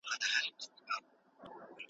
ایا ستا پلار به کله هم تاته د درس اجازه درکړي؟